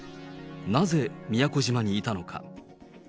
なぜ宮古島にいたのか。